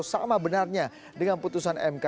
sama benarnya dengan putusan mk